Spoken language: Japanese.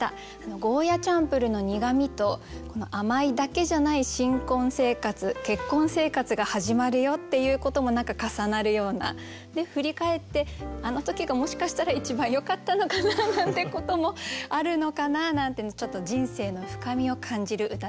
ゴーヤチャンプルーの苦味と甘いだけじゃない新婚生活結婚生活が始まるよっていうことも何か重なるような。で振り返って「あの時がもしかしたら一番よかったのかな」なんてこともあるのかななんてちょっと人生の深みを感じる歌でした。